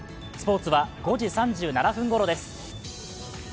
スポーツは５時３７分ごろです。